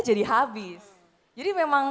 jadi habis jadi memang